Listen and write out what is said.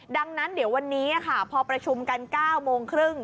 ดังนั้นเดี๋ยววันนี้ค่ะพอประชุมกัน๙โมงครึ่ง